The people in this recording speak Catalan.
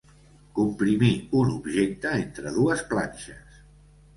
Comprimir un objecte entre dues planxes.